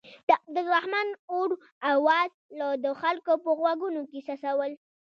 د عبدالرحمن اور اواز لا د خلکو په غوږونو کې څڅول.